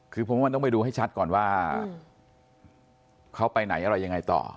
คือผมว่าต้องไปดูให้ชัดก่อนว่าเขาไปไหนอะไรยังไงต่อ